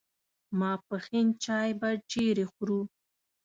ماپښین چای به چیرې خورو.